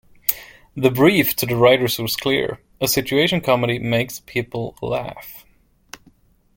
The brief to the writers was clear - a situation comedy makes people laugh...